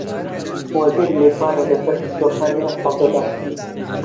وەزیر لێدوانێک لەسەر پشووەکانی ئەمساڵ دەدات